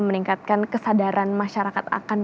meningkatkan kesadaran masyarakat akan